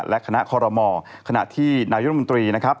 และคณะคอรมอขณะที่นายกรมนตรีนะครับ